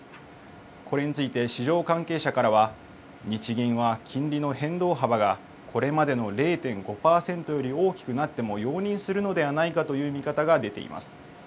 これについて市場関係者からは、日銀は金利の変動幅がこれまでの０．５％より大きくなっても容認するのではないかという見方が出ています。